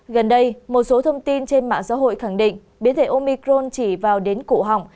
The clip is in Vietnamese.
gần đây một số thông tin trên mạng xã hội khẳng định biến thể omicron chỉ vào đến cụ hỏng